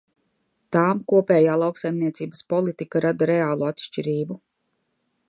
Tām kopējā lauksaimniecības politika rada reālu atšķirību.